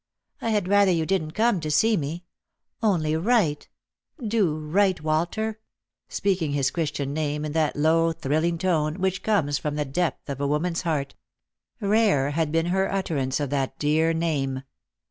I had rather you didn't come to see me ; only write — do write, Walter !" speaking his Christian name in that low thrilling tone which comes from the depth of a woman's heart — rare had been her utterance of that dear name.